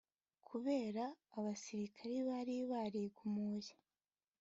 kubera abasirikare bari barigumuye